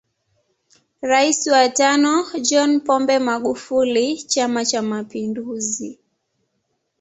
Rais wa tano John Pombe Magufuli chama cha mapinduzi